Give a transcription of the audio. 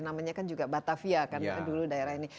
namanya kan juga batavia kan dulu daerah ini